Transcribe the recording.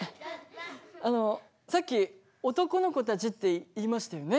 あのさっき男の子たちって言いましたよね。